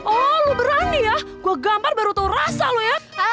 oh lo berani ya gua gambar baru tau rasa lo ya